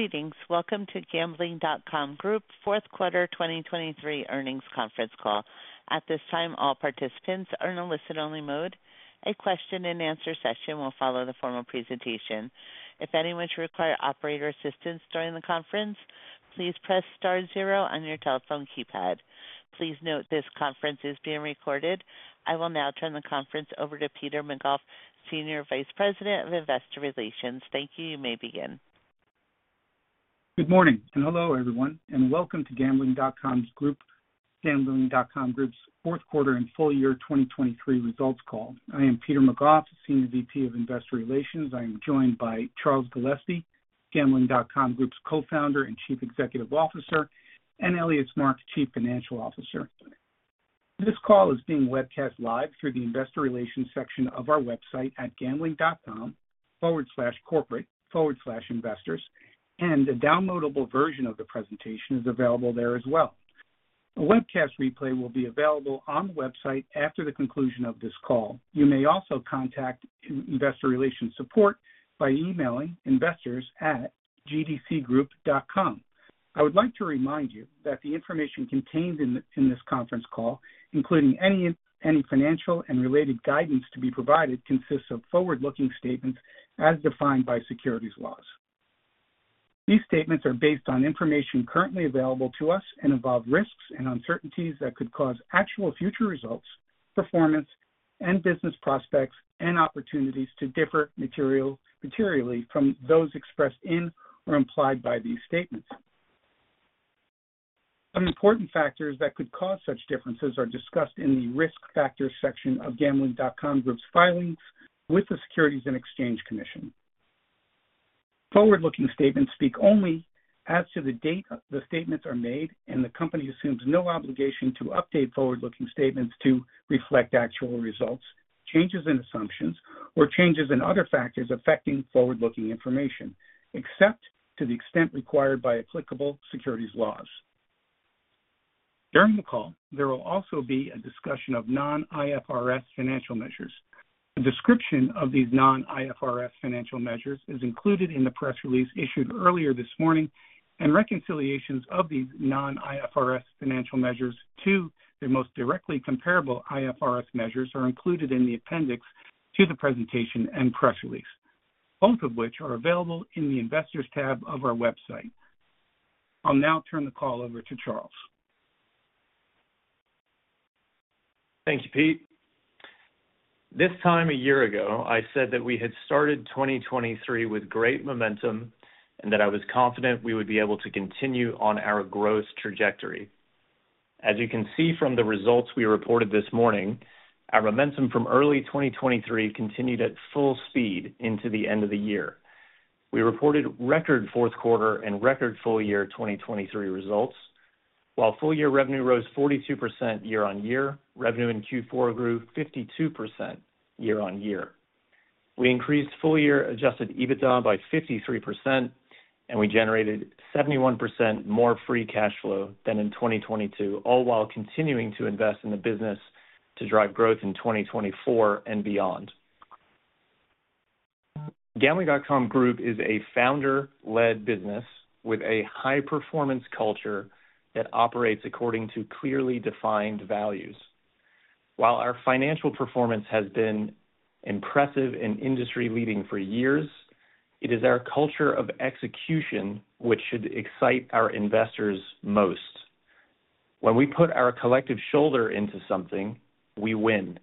Greetings. Welcome to Gambling.com Group Fourth Quarter 2023 Earnings Conference Call. At this time, all participants are in a listen-only mode. A question-and-answer session will follow the formal presentation. If anyone should require operator assistance during the conference, please press star zero on your telephone keypad. Please note this conference is being recorded. I will now turn the conference over to Peter McGough, Senior Vice President of Investor Relations. Thank you. You may begin. Good morning and hello, everyone, and welcome to Gambling.com Group's Fourth Quarter and Full Year 2023 Results Call. I am Peter McGough, Senior VP of Investor Relations. I am joined by Charles Gillespie, Gambling.com Group's Co-Founder and Chief Executive Officer, and Elias Mark, Chief Financial Officer. This call is being webcast live through the Investor Relations section of our website at gambling.com/corporate/investors, and a downloadable version of the presentation is available there as well. A webcast replay will be available on the website after the conclusion of this call. You may also contact Investor Relations Support by emailing investors@gdcgroup.com. I would like to remind you that the information contained in this conference call, including any financial and related guidance to be provided, consists of forward-looking statements as defined by securities laws. These statements are based on information currently available to us and involve risks and uncertainties that could cause actual future results, performance, and business prospects and opportunities to differ materially from those expressed in or implied by these statements. Some important factors that could cause such differences are discussed in the Risk Factors section of Gambling.com Group's filings with the Securities and Exchange Commission. Forward-looking statements speak only as to the date the statements are made, and the company assumes no obligation to update forward-looking statements to reflect actual results, changes in assumptions, or changes in other factors affecting forward-looking information, except to the extent required by applicable securities laws. During the call, there will also be a discussion of non-IFRS financial measures. A description of these non-IFRS financial measures is included in the press release issued earlier this morning, and reconciliations of these non-IFRS financial measures to the most directly comparable IFRS measures are included in the appendix to the presentation and press release, both of which are available in the Investors tab of our website. I'll now turn the call over to Charles. Thank you, Peter. This time a year ago, I said that we had started 2023 with great momentum and that I was confident we would be able to continue on our growth trajectory. As you can see from the results we reported this morning, our momentum from early 2023 continued at full speed into the end of the year. We reported record Fourth Quarter and record Full Year 2023 results, while Full Year revenue rose 42% year-over-year, revenue in Q4 grew 52% year-over-year. We increased Full Year Adjusted EBITDA by 53%, and we generated 71% more Free Cash Flow than in 2022, all while continuing to invest in the business to drive growth in 2024 and beyond. Gambling.com Group is a founder-led business with a high-performance culture that operates according to clearly defined values. While our financial performance has been impressive and industry-leading for years, it is our culture of execution which should excite our investors most. When we put our collective shoulder into something, we win,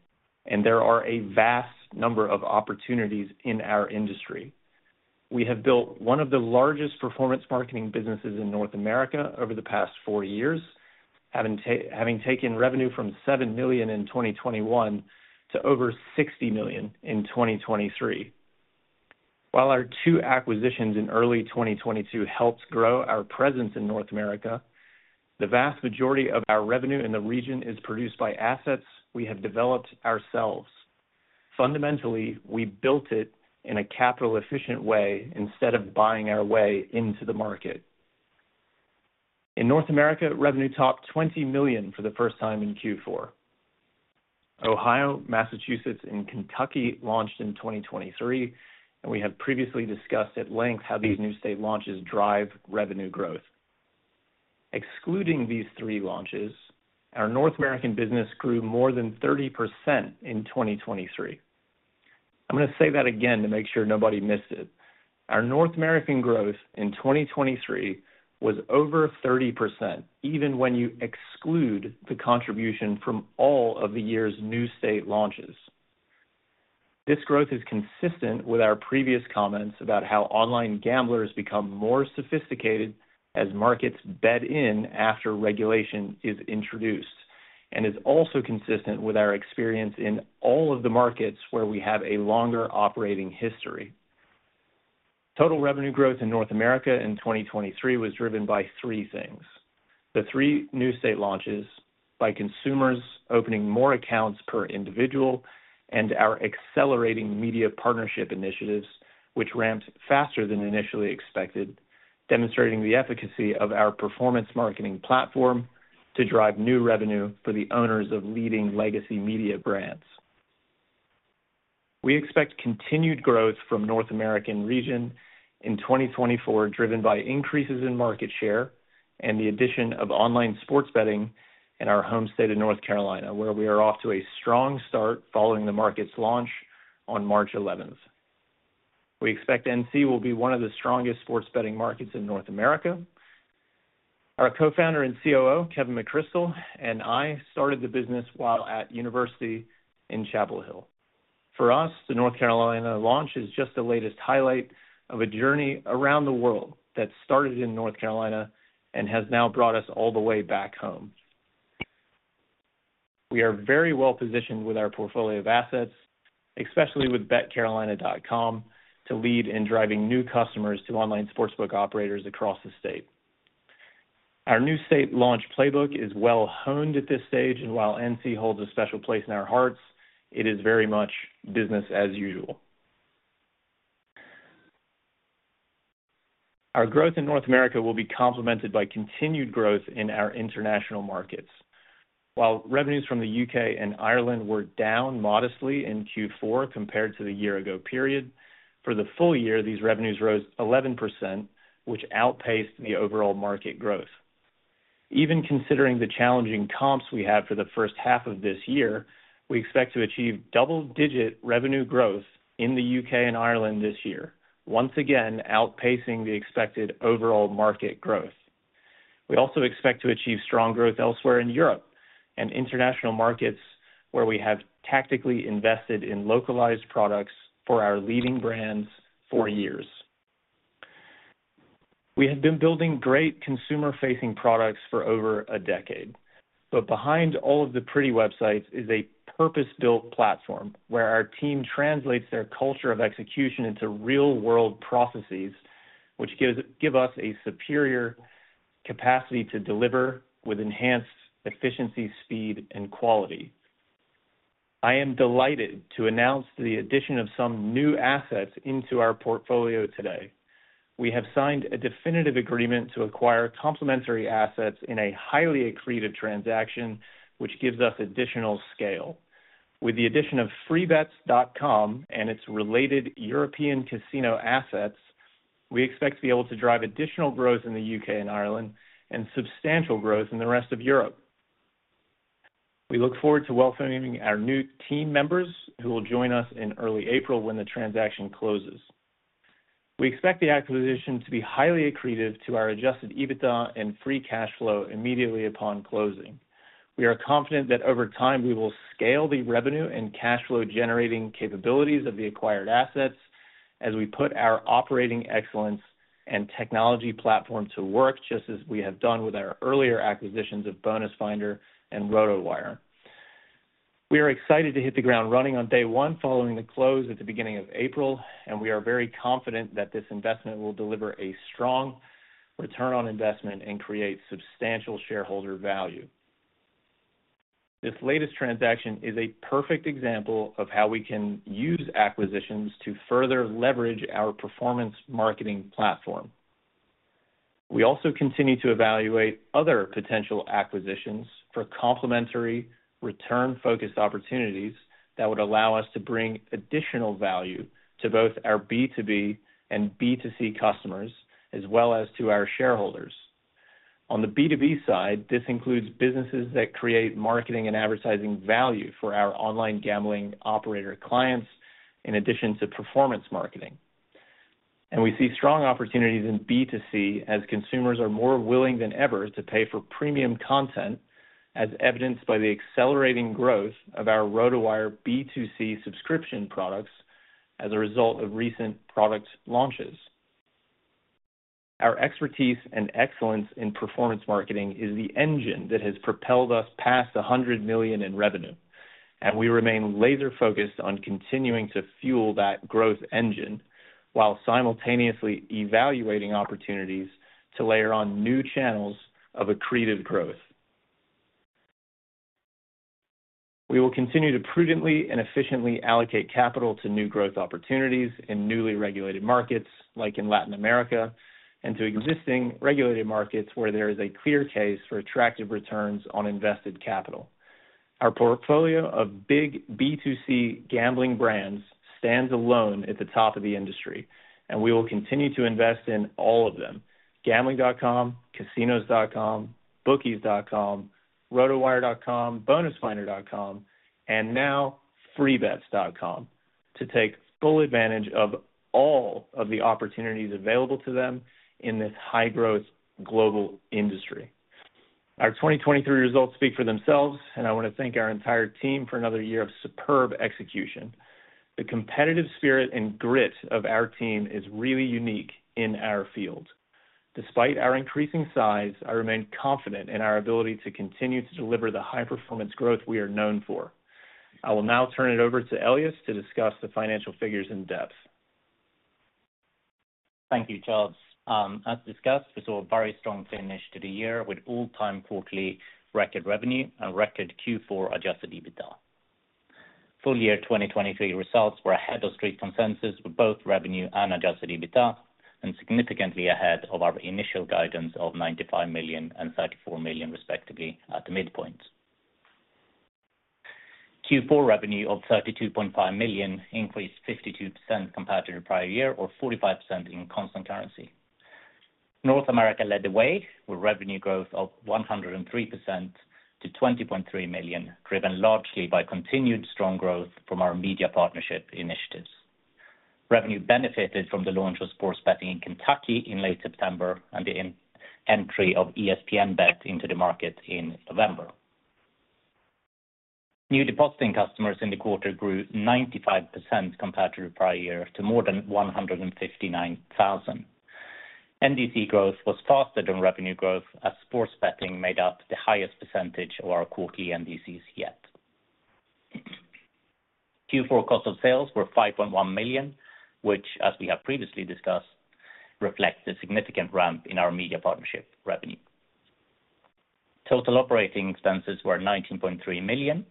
and there are a vast number of opportunities in our industry. We have built one of the largest performance marketing businesses in North America over the past four years, having taken revenue from $7 million in 2021 to over $60 million in 2023. While our two acquisitions in early 2022 helped grow our presence in North America, the vast majority of our revenue in the region is produced by assets we have developed ourselves. Fundamentally, we built it in a capital-efficient way instead of buying our way into the market. In North America, revenue topped $20 million for the first time in Q4. Ohio, Massachusetts, and Kentucky launched in 2023, and we have previously discussed at length how these new state launches drive revenue growth. Excluding these three launches, our North American business grew more than 30% in 2023. I'm going to say that again to make sure nobody missed it. Our North American growth in 2023 was over 30% even when you exclude the contribution from all of the year's new state launches. This growth is consistent with our previous comments about how online gamblers become more sophisticated as markets bed in after regulation is introduced, and is also consistent with our experience in all of the markets where we have a longer operating history. Total revenue growth in North America in 2023 was driven by three things: the three new state launches, by consumers opening more accounts per individual, and our accelerating media partnership initiatives, which ramped faster than initially expected, demonstrating the efficacy of our performance marketing platform to drive new revenue for the owners of leading legacy media brands. We expect continued growth from North American region in 2024, driven by increases in market share and the addition of online sports betting in our home state of North Carolina, where we are off to a strong start following the market's launch on March 11th. We expect NC will be one of the strongest sports betting markets in North America. Our Co-founder and COO, Kevin McCrystle, and I started the business while at university in Chapel Hill. For us, the North Carolina launch is just the latest highlight of a journey around the world that started in North Carolina and has now brought us all the way back home. We are very well positioned with our portfolio of assets, especially with BetCarolina.com, to lead in driving new customers to online sportsbook operators across the state. Our new state launch playbook is well honed at this stage, and while NC holds a special place in our hearts, it is very much business as usual. Our growth in North America will be complemented by continued growth in our international markets. While revenues from the U.K. and Ireland were down modestly in Q4 compared to the year-ago period, for the full year, these revenues rose 11%, which outpaced the overall market growth. Even considering the challenging comps we have for the first half of this year, we expect to achieve double-digit revenue growth in the U.K. and Ireland this year, once again outpacing the expected overall market growth. We also expect to achieve strong growth elsewhere in Europe and international markets where we have tactically invested in localized products for our leading brands for years. We have been building great consumer-facing products for over a decade, but behind all of the pretty websites is a purpose-built platform where our team translates their culture of execution into real-world processes, which give us a superior capacity to deliver with enhanced efficiency, speed, and quality. I am delighted to announce the addition of some new assets into our portfolio today. We have signed a definitive agreement to acquire complementary assets in a highly accretive transaction, which gives us additional scale. With the addition of Freebets.com and its related European casino assets, we expect to be able to drive additional growth in the U.K. and Ireland and substantial growth in the rest of Europe. We look forward to welcoming our new team members who will join us in early April when the transaction closes. We expect the acquisition to be highly accretive to our Adjusted EBITDA and Free Cash Flow immediately upon closing. We are confident that over time, we will scale the revenue and cash flow-generating capabilities of the acquired assets as we put our operating excellence and technology platform to work just as we have done with our earlier acquisitions of BonusFinder and RotoWire. We are excited to hit the ground running on day one following the close at the beginning of April, and we are very confident that this investment will deliver a strong return on investment and create substantial shareholder value. This latest transaction is a perfect example of how we can use acquisitions to further leverage our performance marketing platform. We also continue to evaluate other potential acquisitions for complementary return-focused opportunities that would allow us to bring additional value to both our B2B and B2C customers, as well as to our shareholders. On the B2B side, this includes businesses that create marketing and advertising value for our online gambling operator clients, in addition to performance marketing. We see strong opportunities in B2C as consumers are more willing than ever to pay for premium content, as evidenced by the accelerating growth of our RotoWire B2C subscription products as a result of recent product launches. Our expertise and excellence in performance marketing is the engine that has propelled us past $100 million in revenue, and we remain laser-focused on continuing to fuel that growth engine while simultaneously evaluating opportunities to layer on new channels of accretive growth. We will continue to prudently and efficiently allocate capital to new growth opportunities in newly regulated markets, like in Latin America, and to existing regulated markets where there is a clear case for attractive returns on invested capital. Our portfolio of big B2C gambling brands stands alone at the top of the industry, and we will continue to invest in all of them: Gambling.com, Casinos.com, Bookies.com, RotoWire.com, BonusFinder.com, and now Freebets.com, to take full advantage of all of the opportunities available to them in this high-growth global industry. Our 2023 results speak for themselves, and I want to thank our entire team for another year of superb execution. The competitive spirit and grit of our team is really unique in our field. Despite our increasing size, I remain confident in our ability to continue to deliver the high-performance growth we are known for. I will now turn it over to Elias to discuss the financial figures in depth. Thank you, Charles. As discussed, we saw a very strong finish to the year with all-time quarterly record revenue and record Q4 Adjusted EBITDA. Full-year 2023 results were ahead of Street consensus with both revenue and Adjusted EBITDA, and significantly ahead of our initial guidance of $95 million and $34 million, respectively, at the midpoint. Q4 revenue of $32.5 million increased 52% compared to the prior year, or 45% in constant currency. North America led the way with revenue growth of 103% to $20.3 million, driven largely by continued strong growth from our media partnership initiatives. Revenue benefited from the launch of sports betting in Kentucky in late September and the entry of ESPN BET into the market in November. New depositing customers in the quarter grew 95% compared to the prior year to more than 159,000. NDC growth was faster than revenue growth, as sports betting made up the highest percentage of our quarterly NDCs yet. Q4 cost of sales were $5.1 million, which, as we have previously discussed, reflects a significant ramp in our media partnership revenue. Total operating expenses were $19.3 million,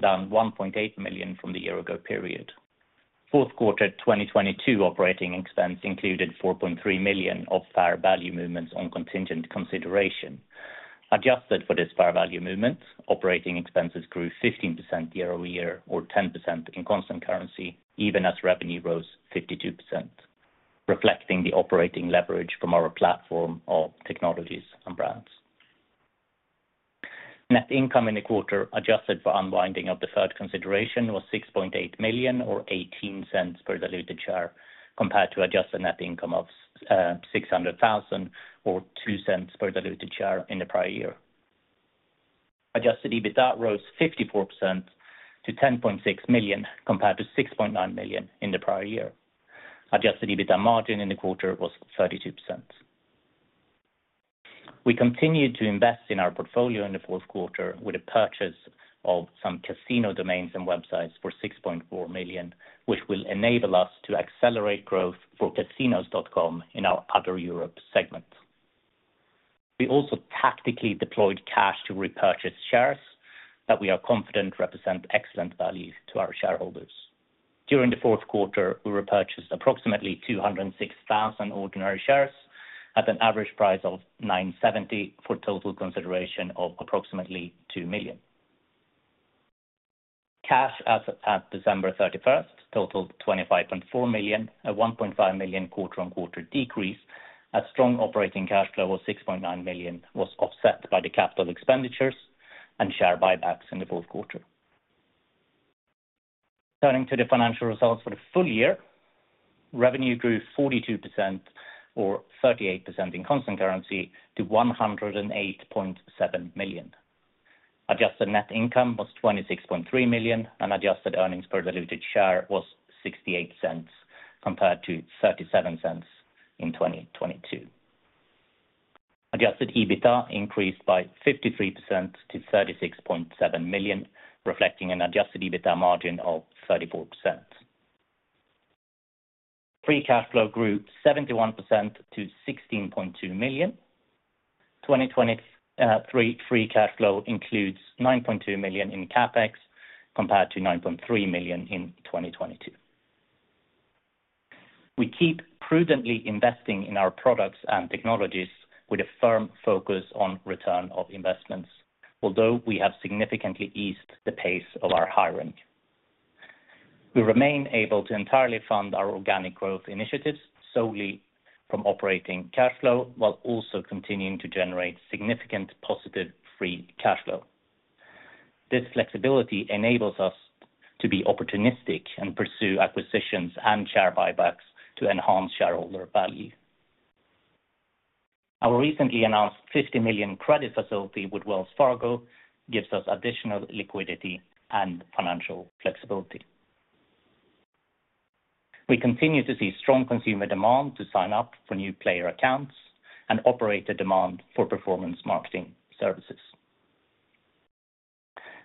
down $1.8 million from the year-ago period. Fourth quarter 2022 operating expense included $4.3 million of fair value movements on contingent consideration. Adjusted for this fair value movement, operating expenses grew 15% year-over-year, or 10% in constant currency, even as revenue rose 52%, reflecting the operating leverage from our platform of technologies and brands. Net income in the quarter adjusted for unwinding of the third consideration was $6.8 million, or $0.18 per diluted share, compared to adjusted net income of $600,000, or $0.02 per diluted share in the prior year. Adjusted EBITDA rose 54% to $10.6 million, compared to $6.9 million in the prior year. Adjusted EBITDA margin in the quarter was 32%. We continued to invest in our portfolio in the fourth quarter with a purchase of some casino domains and websites for $6.4 million, which will enable us to accelerate growth for Casinos.com in our other Europe segment. We also tactically deployed cash to repurchase shares that we are confident represent excellent value to our shareholders. During the fourth quarter, we repurchased approximately 206,000 ordinary shares at an average price of $9.70 for total consideration of approximately $2 million. Cash at December 31st totaled $25.4 million, a $1.5 million quarter-on-quarter decrease, as strong operating cash flow of $6.9 million was offset by the capital expenditures and share buybacks in the fourth quarter. Turning to the financial results for the full year, revenue grew 42%, or 38% in constant currency, to $108.7 million. Adjusted net income was $26.3 million, and adjusted earnings per diluted share was $0.68, compared to $0.37 in 2022. Adjusted EBITDA increased by 53% to $36.7 million, reflecting an Adjusted EBITDA margin of 34%. Free cash flow grew 71% to $16.2 million. 2023 free cash flow includes $9.2 million in CapEx, compared to $9.3 million in 2022. We keep prudently investing in our products and technologies with a firm focus on return on investments, although we have significantly eased the pace of our hiring. We remain able to entirely fund our organic growth initiatives solely from operating cash flow, while also continuing to generate significant positive free cash flow. This flexibility enables us to be opportunistic and pursue acquisitions and share buybacks to enhance shareholder value. Our recently announced $50 million credit facility with Wells Fargo gives us additional liquidity and financial flexibility. We continue to see strong consumer demand to sign up for new player accounts and operator demand for performance marketing services.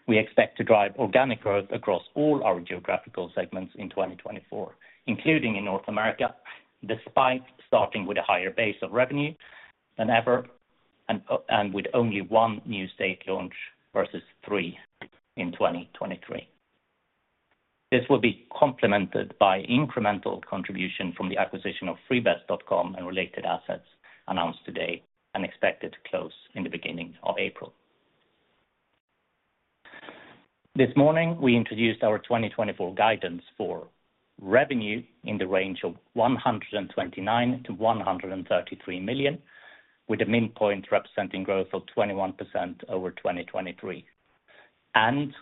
We expect to drive organic growth across all our geographical segments in 2024, including in North America, despite starting with a higher base of revenue than ever and with only one new state launch versus three in 2023. This will be complemented by incremental contribution from the acquisition of Freebets.com and related assets announced today and expected to close in the beginning of April. This morning, we introduced our 2024 guidance for revenue in the range of $129 million-$133 million, with the midpoint representing growth of 21% over 2023, and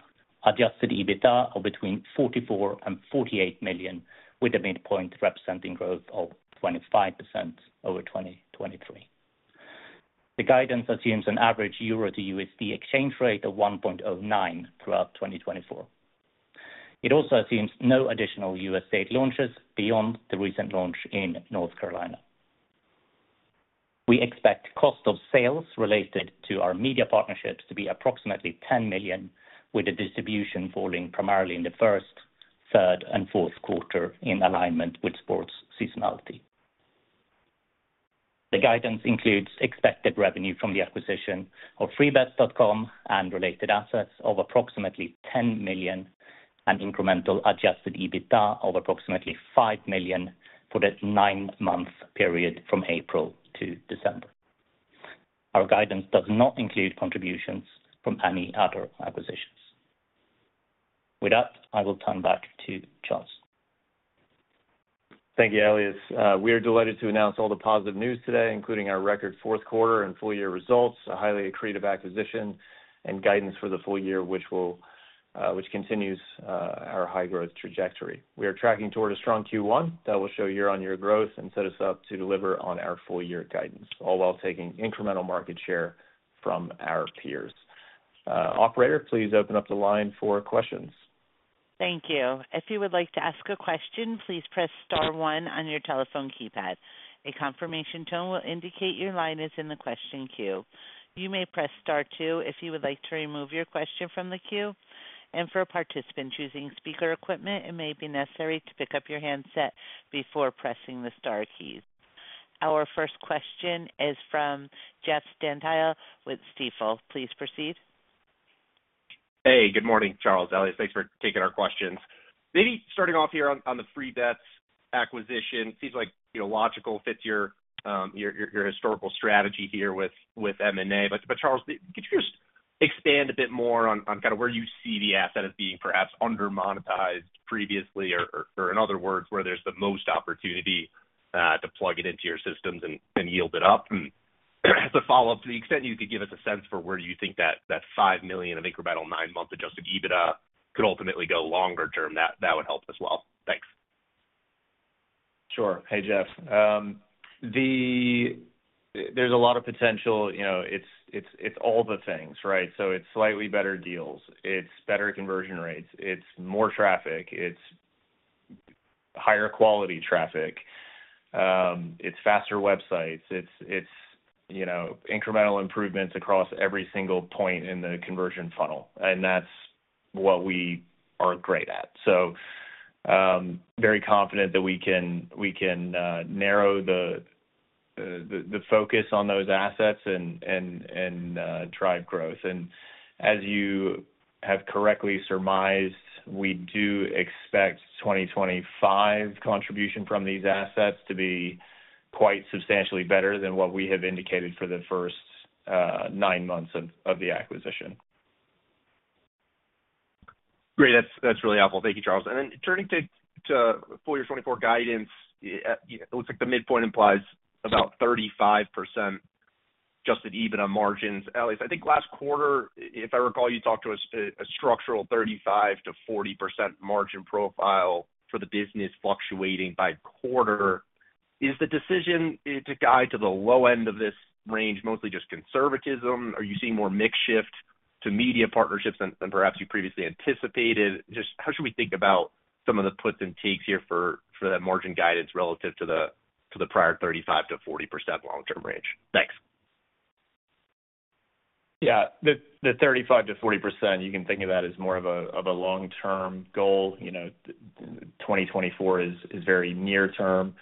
Adjusted EBITDA of between $44 million and $48 million, with the midpoint representing growth of 25% over 2023. The guidance assumes an average euro to USD exchange rate of 1.09 throughout 2024. It also assumes no additional U.S. state launches beyond the recent launch in North Carolina. We expect cost of sales related to our media partnerships to be approximately $10 million, with the distribution falling primarily in the first, third, and fourth quarter in alignment with sports seasonality. The guidance includes expected revenue from the acquisition of Freebets.com and related assets of approximately $10 million and incremental Adjusted EBITDA of approximately $5 million for the nine-month period from April to December. Our guidance does not include contributions from any other acquisitions. With that, I will turn back to Charles. Thank you, Elias. We are delighted to announce all the positive news today, including our record fourth quarter and full year results, a highly accretive acquisition, and guidance for the full year, which continues our high-growth trajectory. We are tracking toward a strong Q1 that will show year-on-year growth and set us up to deliver on our full year guidance, all while taking incremental market share from our peers. Operator, please open up the line for questions. Thank you. If you would like to ask a question, please press star one on your telephone keypad. A confirmation tone will indicate your line is in the question queue. You may press star two if you would like to remove your question from the queue. And for a participant choosing speaker equipment, it may be necessary to pick up your handset before pressing the star keys. Our first question is from Jeff Stantial with Stifel. Please proceed. Hey, good morning, Charles. Elias, thanks for taking our questions. Maybe starting off here on the Freebets acquisition, it seems logical, fits your historical strategy here with M&A. But Charles, could you just expand a bit more on kind of where you see the asset as being perhaps undermonetized previously, or in other words, where there's the most opportunity to plug it into your systems and yield it up? And as a follow-up, to the extent you could give us a sense for where you think that $5 million of incremental nine-month Adjusted EBITDA could ultimately go longer term, that would help as well. Thanks. Sure. Hey, Jeff. There's a lot of potential. It's all the things, right? So it's slightly better deals. It's better conversion rates. It's more traffic. It's higher quality traffic. It's faster websites. It's incremental improvements across every single point in the conversion funnel. And that's what we are great at. So very confident that we can narrow the focus on those assets and drive growth. And as you have correctly surmised, we do expect 2025 contribution from these assets to be quite substantially better than what we have indicated for the first nine months of the acquisition. Great. That's really helpful. Thank you, Charles. Then turning to full year 2024 guidance, it looks like the midpoint implies about 35% Adjusted EBITDA margins. Elias, I think last quarter, if I recall, you talked to us a structural 35%-40% margin profile for the business fluctuating by quarter. Is the decision to guide to the low end of this range mostly just conservatism? Are you seeing more mix shift to media partnerships than perhaps you previously anticipated? How should we think about some of the puts and takes here for that margin guidance relative to the prior 35%-40% long-term range? Thanks. Yeah. The 35%-40%, you can think of that as more of a long-term goal. 2024 is very near term.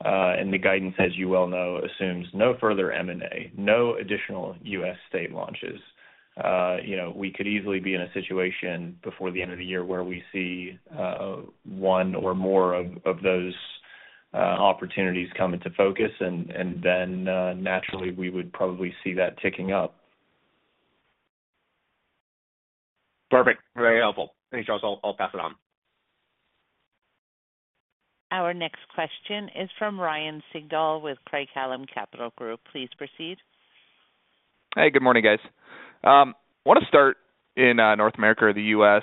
The guidance, as you well know, assumes no further M&A, no additional U.S. state launches. We could easily be in a situation before the end of the year where we see one or more of those opportunities come into focus, and then naturally, we would probably see that ticking up. Perfect. Very helpful. Thanks, Charles. I'll pass it on. Our next question is from Ryan Sigdahl with Craig-Hallum Capital Group. Please proceed. Hey, good morning, guys. I want to start in North America or the U.S.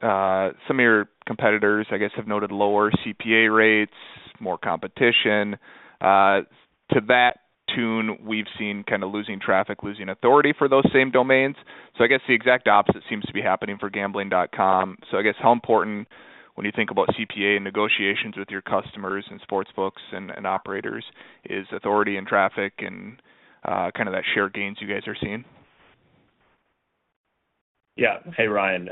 Some of your competitors, I guess, have noted lower CPA rates, more competition. To that tune, we've seen kind of losing traffic, losing authority for those same domains. So I guess the exact opposite seems to be happening for Gambling.com. So I guess how important, when you think about CPA and negotiations with your customers and sports books and operators, is authority and traffic and kind of that share gains you guys are seeing? Yeah. Hey, Ryan.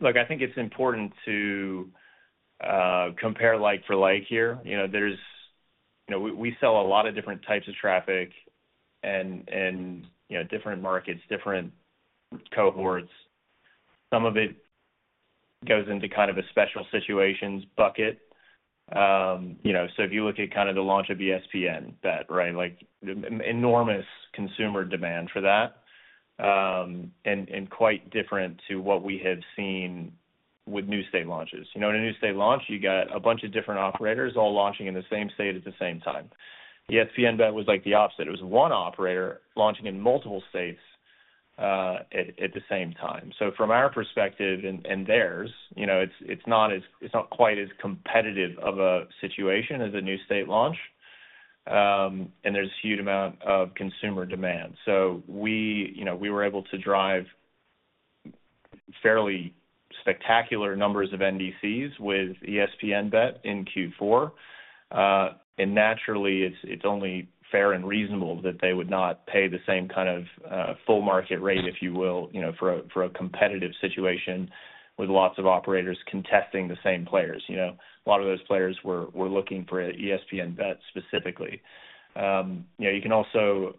Look, I think it's important to compare like for like here. We sell a lot of different types of traffic and different markets, different cohorts. Some of it goes into kind of a special situations bucket. So if you look at kind of the launch of ESPN BET, right, enormous consumer demand for that and quite different to what we have seen with new state launches. In a new state launch, you got a bunch of different operators all launching in the same state at the same time. ESPN BET was the opposite. It was one operator launching in multiple states at the same time. So from our perspective and theirs, it's not quite as competitive of a situation as a new state launch. And there's a huge amount of consumer demand. We were able to drive fairly spectacular numbers of NDCs with ESPN BET in Q4. Naturally, it's only fair and reasonable that they would not pay the same kind of full market rate, if you will, for a competitive situation with lots of operators contesting the same players. A lot of those players were looking for ESPN BET specifically. You can also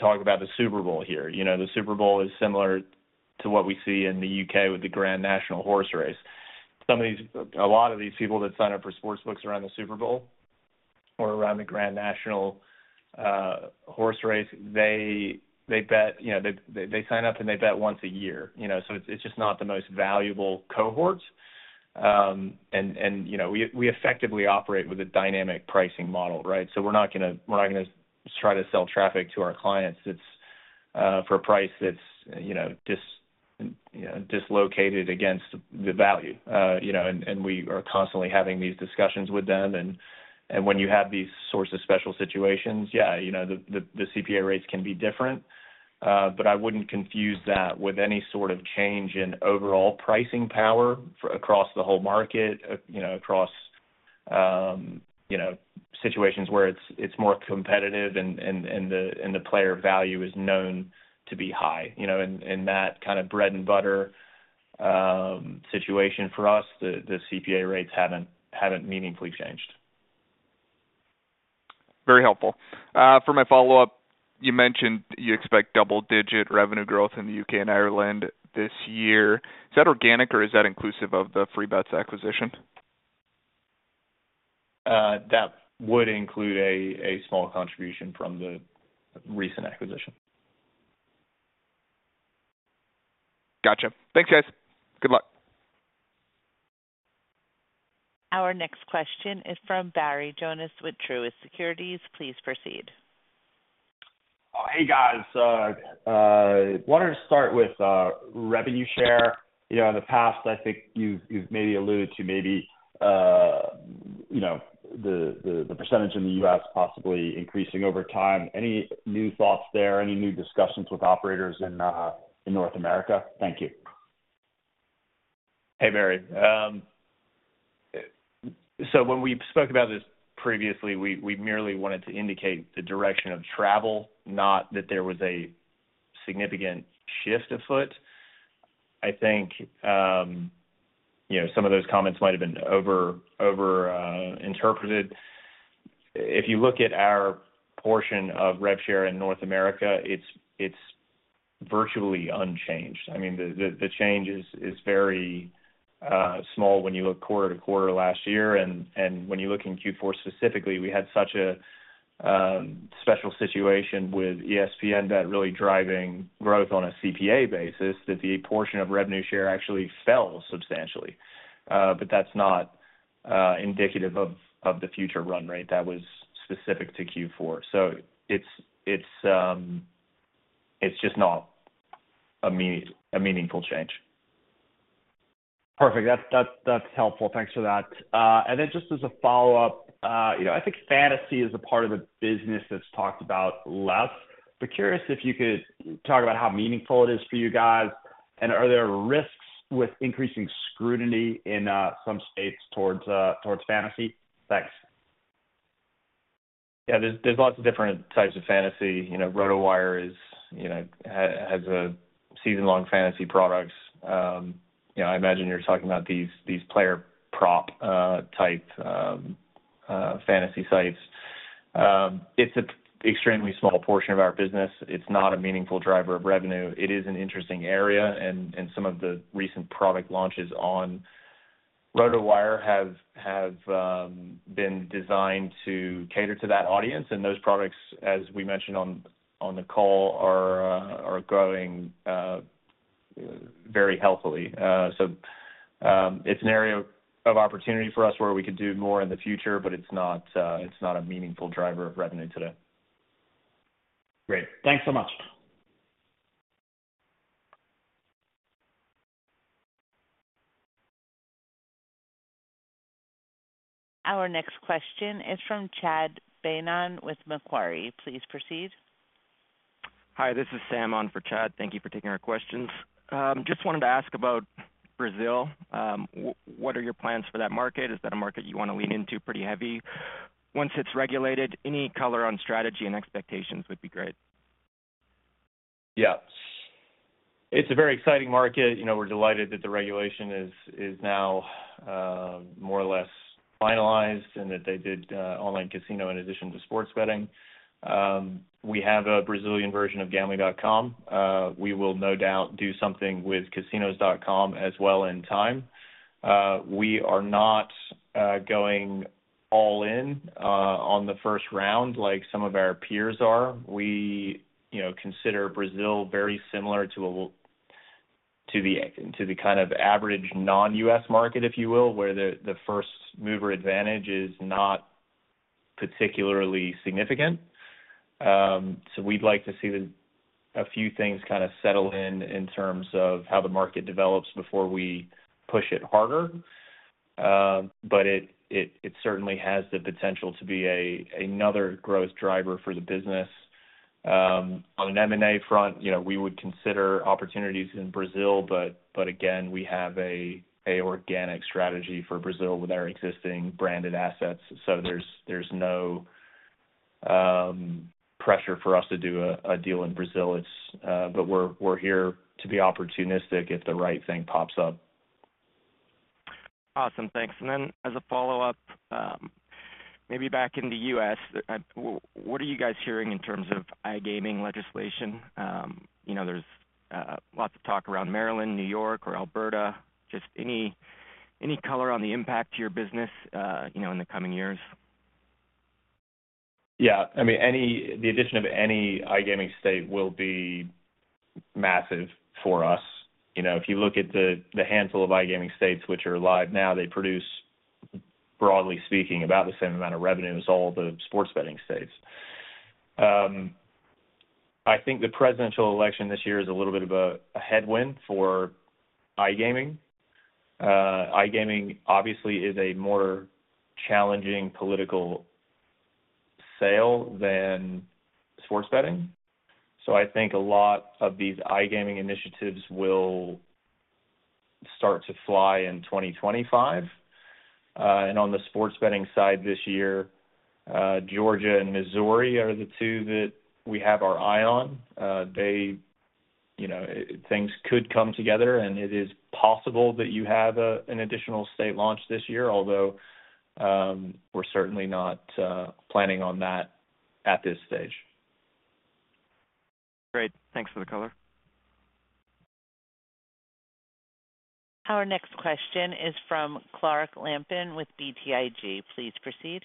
talk about the Super Bowl here. The Super Bowl is similar to what we see in the U.K. with the Grand National Horse Race. A lot of these people that sign up for sports books around the Super Bowl or around the Grand National Horse Race, they sign up and they bet once a year. It's just not the most valuable cohort. We effectively operate with a dynamic pricing model, right? So we're not going to try to sell traffic to our clients for a price that's dislocated against the value. And we are constantly having these discussions with them. And when you have these sorts of special situations, yeah, the CPA rates can be different. But I wouldn't confuse that with any sort of change in overall pricing power across the whole market, across situations where it's more competitive and the player value is known to be high. In that kind of bread and butter situation for us, the CPA rates haven't meaningfully changed. Very helpful. For my follow-up, you mentioned you expect double-digit revenue growth in the U.K. and Ireland this year. Is that organic, or is that inclusive of the Freebets acquisition? That would include a small contribution from the recent acquisition. Gotcha. Thanks, guys. Good luck. Our next question is from Barry Jonas with Truist Securities. Please proceed. Hey, guys. I wanted to start with revenue share. In the past, I think you've maybe alluded to maybe the percentage in the U.S. possibly increasing over time. Any new thoughts there? Any new discussions with operators in North America? Thank you. Hey, Barry. So when we spoke about this previously, we merely wanted to indicate the direction of travel, not that there was a significant shift afoot. I think some of those comments might have been overinterpreted. If you look at our portion of rev share in North America, it's virtually unchanged. I mean, the change is very small when you look quarter to quarter last year. And when you look in Q4 specifically, we had such a special situation with ESPN BET really driving growth on a CPA basis that the portion of revenue share actually fell substantially. But that's not indicative of the future run rate. That was specific to Q4. So it's just not a meaningful change. Perfect. That's helpful. Thanks for that. And then just as a follow-up, I think fantasy is a part of the business that's talked about less. But curious if you could talk about how meaningful it is for you guys. And are there risks with increasing scrutiny in some states towards fantasy? Thanks. Yeah. There's lots of different types of fantasy. RotoWire has season-long fantasy products. I imagine you're talking about these player prop-type fantasy sites. It's an extremely small portion of our business. It's not a meaningful driver of revenue. It is an interesting area. And some of the recent product launches on RotoWire have been designed to cater to that audience. And those products, as we mentioned on the call, are growing very healthily. So it's an area of opportunity for us where we could do more in the future, but it's not a meaningful driver of revenue today. Great. Thanks so much. Our next question is from Chad Beynon with Macquarie. Please proceed. Hi. This is Sam on for Chad. Thank you for taking our questions. Just wanted to ask about Brazil. What are your plans for that market? Is that a market you want to lean into pretty heavy? Once it's regulated, any color on strategy and expectations would be great. Yep. It's a very exciting market. We're delighted that the regulation is now more or less finalized and that they did online casino in addition to sports betting. We have a Brazilian version of Gambling.com. We will no doubt do something with Casinos.com as well in time. We are not going all-in on the first round like some of our peers are. We consider Brazil very similar to the kind of average non-U.S. market, if you will, where the first-mover advantage is not particularly significant. So we'd like to see a few things kind of settle in in terms of how the market develops before we push it harder. But it certainly has the potential to be another growth driver for the business. On an M&A front, we would consider opportunities in Brazil. But again, we have an organic strategy for Brazil with our existing branded assets. So there's no pressure for us to do a deal in Brazil. But we're here to be opportunistic if the right thing pops up. Awesome. Thanks. Then as a follow-up, maybe back in the U.S., what are you guys hearing in terms of iGaming legislation? There's lots of talk around Maryland, New York, or Alberta. Just any color on the impact to your business in the coming years? Yeah. I mean, the addition of any iGaming state will be massive for us. If you look at the handful of iGaming states which are live now, they produce, broadly speaking, about the same amount of revenue as all the sports betting states. I think the presidential election this year is a little bit of a headwind for iGaming. iGaming, obviously, is a more challenging political sale than sports betting. So I think a lot of these iGaming initiatives will start to fly in 2025. On the sports betting side this year, Georgia and Missouri are the two that we have our eye on. Things could come together, and it is possible that you have an additional state launch this year, although we're certainly not planning on that at this stage. Great. Thanks for the color. Our next question is from Clark Lampen with BTIG. Please proceed.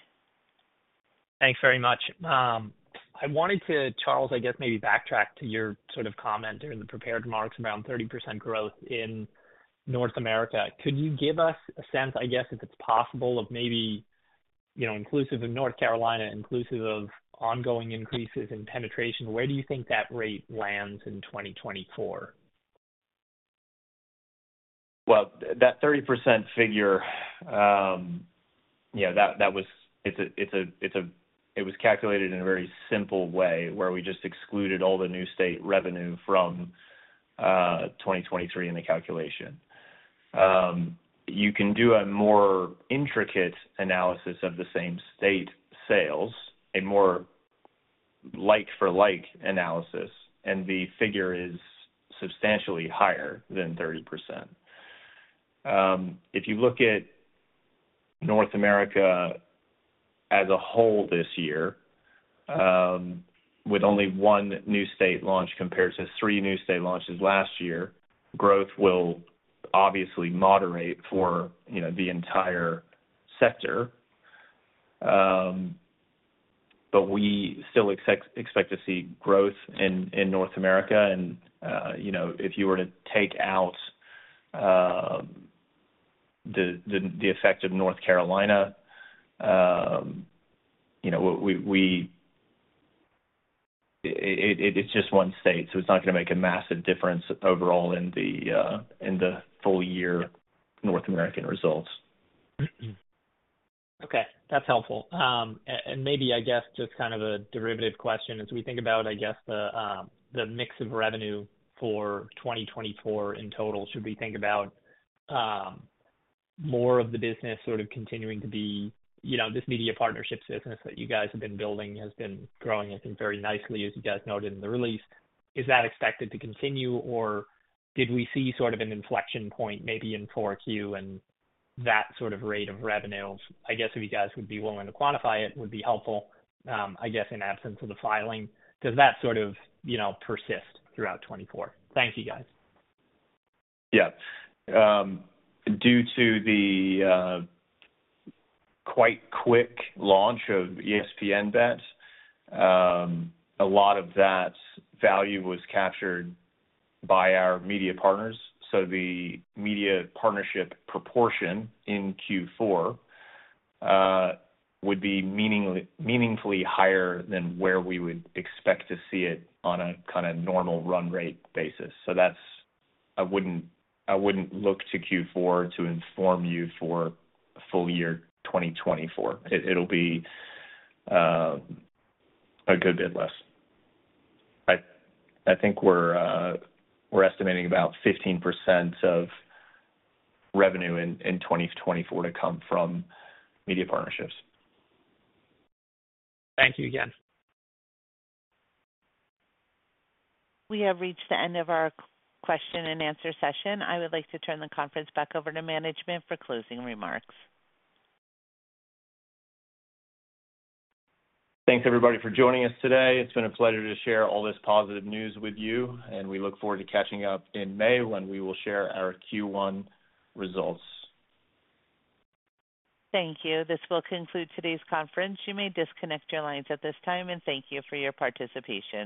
Thanks very much. I wanted to, Charles, I guess, maybe backtrack to your sort of comment during the prepared remarks around 30% growth in North America. Could you give us a sense, I guess, if it's possible, of maybe inclusive of North Carolina, inclusive of ongoing increases in penetration, where do you think that rate lands in 2024? Well, that 30% figure, it was calculated in a very simple way where we just excluded all the new state revenue from 2023 in the calculation. You can do a more intricate analysis of the same state sales, a more like-for-like analysis, and the figure is substantially higher than 30%. If you look at North America as a whole this year, with only one new state launch compared to three new state launches last year, growth will obviously moderate for the entire sector. But we still expect to see growth in North America. And if you were to take out the effect of North Carolina, it's just one state. So it's not going to make a massive difference overall in the full-year North American results. Okay. That's helpful. And maybe, I guess, just kind of a derivative question, as we think about, I guess, the mix of revenue for 2024 in total, should we think about more of the business sort of continuing to be this media partnerships business that you guys have been building has been growing, I think, very nicely, as you guys noted in the release. Is that expected to continue, or did we see sort of an inflection point maybe in 4Q and that sort of rate of revenue? I guess if you guys would be willing to quantify it, would be helpful, I guess, in absence of the filing. Does that sort of persist throughout 2024? Thank you, guys. Yeah. Due to the quite quick launch of ESPN BET, a lot of that value was captured by our media partners. So the media partnership proportion in Q4 would be meaningfully higher than where we would expect to see it on a kind of normal run-rate basis. So I wouldn't look to Q4 to inform you for full-year 2024. It'll be a good bit less. I think we're estimating about 15% of revenue in 2024 to come from media partnerships. Thank you again. We have reached the end of our question-and-answer session. I would like to turn the conference back over to management for closing remarks. Thanks, everybody, for joining us today. It's been a pleasure to share all this positive news with you. We look forward to catching up in May when we will share our Q1 results. Thank you. This will conclude today's conference. You may disconnect your lines at this time. Thank you for your participation.